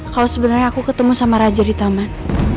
kalau sebenarnya aku ketemu sama raja di taman